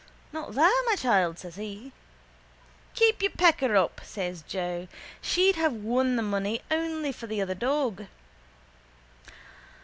—Not there, my child, says he. —Keep your pecker up, says Joe. She'd have won the money only for the other dog.